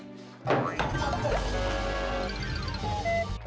aduh bingung aneh bisa ludes